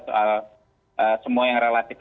soal semua yang relatif